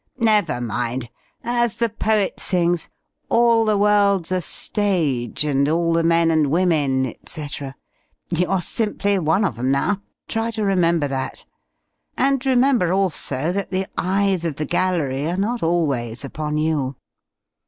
"Never mind. As the poet sings, 'All the world's a stage, and all the men and women, etc.' You're simply one of 'em, now. Try to remember that. And remember, also, that the eyes of the gallery are not always upon you.